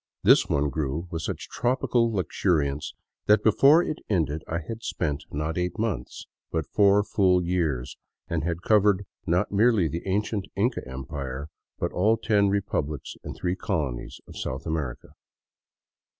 This one grew with such tropical luxuriance that before it ended I had spent, not eight months, but four full years, and had covered not merely the ancient Inca Empire, but all the ten republics and three colonies of South America.